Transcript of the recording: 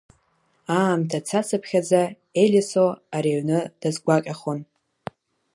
Аамҭа цацыԥхьаӡа Елисо ари аҩны дазгәакьахон.